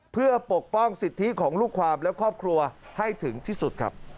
เพื่อปกป้องสิทธิของลูกความและครอบครัวให้ถึงที่สุดครับ